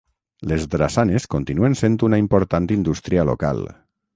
Les drassanes continuen sent una important indústria local.